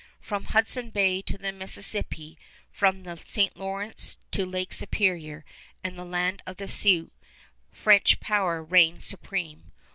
From Hudson Bay to the Mississippi, from the St. Lawrence to Lake Superior and the land of the Sioux, French power reigned supreme.